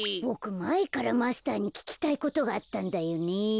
ボクまえからマスターにききたいことがあったんだよね。